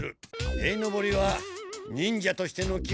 塀のぼりは忍者としてのき